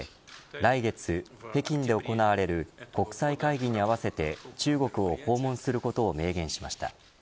来月、北京で行われる国際会議に合わせて中国を訪問することを明言しました。